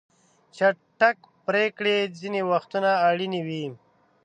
چټک پریکړې ځینې وختونه اړینې وي.